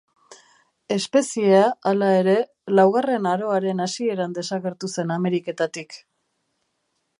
Espeziea, hala ere, Laugarren aroaren hasieran desagertu zen Ameriketatik.